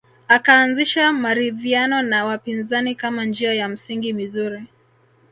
Akaanzisha maridhiano na wapinzani kama njia ya msingi mizuri